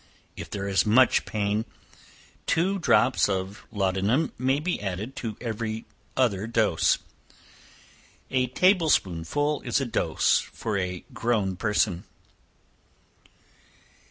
If there is much pain, two drops of laudanum may be added to every other dose. A table spoonful is a dose for a grown person.